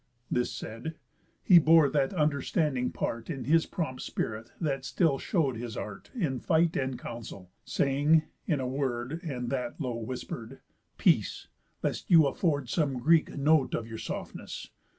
This said, he bore that understanding part In his prompt spirit that still show'd his art In fight and counsel, saying (in a word, And that low whisper'd) peace, lest you afford Some Greek note of your softness.